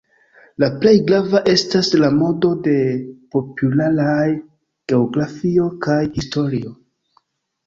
La plej grava estas la modo de popularaj geografio kaj historio.